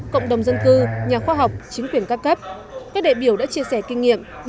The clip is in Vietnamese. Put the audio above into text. cộng đồng dân cư nhà khoa học chính quyền các cấp